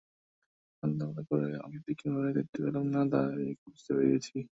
সন্ধ্যাবেলাকার ঘরের আলোটিকে ঘরে দেখতে পেলুম না, তাই খুঁজতে বেরিয়েছি।